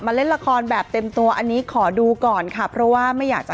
เล่นละครแบบเต็มตัวอันนี้ขอดูก่อนค่ะเพราะว่าไม่อยากจะ